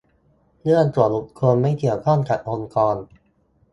"เรื่องส่วนบุคคล ไม่เกี่ยวข้องกับองค์กร"